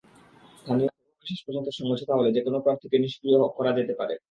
স্থানীয়ভাবে শেষ পর্যন্ত সমঝোতা হলে যেকোনো প্রার্থীকে নিষ্ক্রিয় করা যেতে পারে।